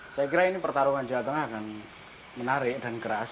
saya kira ini pertarungan jawa tengah akan menarik dan keras